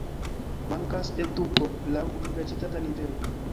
Mankas eduko laŭ universitata nivelo.